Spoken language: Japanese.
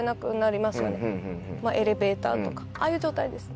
エレベーターとかああいう状態ですね。